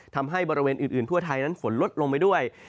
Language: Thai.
ทำให้บริเวณอื่นทั่วไทยนั้นฝนลดลงไปด้วย